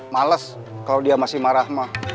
males kalau dia masih marah mah